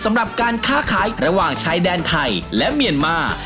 สำหรับการค้าขายระหว่างชายแดนไทยและเมียนมา